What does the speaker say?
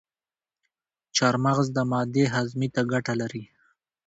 چارمغز د معدې هاضمي ته ګټه لري.